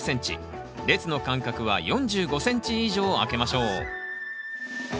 列の間隔は４５ｃｍ以上空けましょう。